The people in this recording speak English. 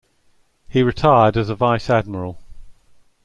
He retired as a Vice-Admiral.